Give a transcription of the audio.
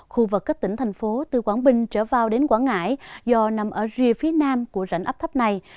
khu vực các tỉnh thành phố từ quảng bình trở vào đến quảng ngãi do nằm ở rìa phía nam của rãnh ấp thấp này